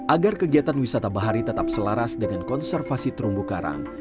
agar kegiatan wisata bahari tetap selaras dengan konservasi terumbu karang